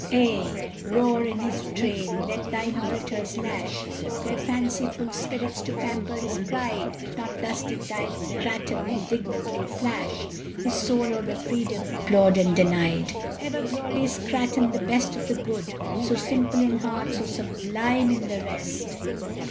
Ay, roar in his train! let thine orators lash Their fanciful spirits to pamper his pride; Not thus did thy Grattan indignantly flash His soul o'er the freedom implored and denied. Ever glorious Grattan! the best of the good! So simple in heart, so sublime in the rest!